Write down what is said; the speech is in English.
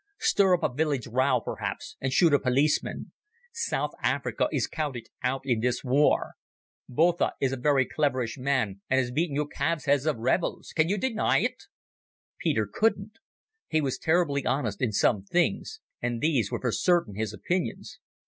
Stir up a village row, perhaps, and shoot a policeman. South Africa is counted out in this war. Botha is a cleverish man and has beaten you calves' heads of rebels. Can you deny it?" Peter couldn't. He was terribly honest in some things, and these were for certain his opinions.